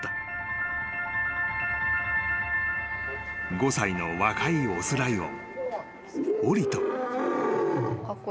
［５歳の若い雄ライオン］